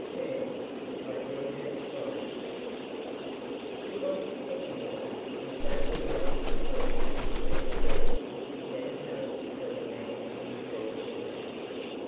Ā Ā HER TURN Ā She was his second wife, and so there was between them that truce which is never held between a man and his first woman.